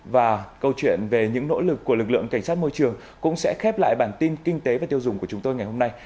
và câu chuyện về những nỗ lực của lực lượng cảnh sát môi trường cũng sẽ khép lại bản tin kinh tế và tiêu dùng của chúng tôi ngày hôm nay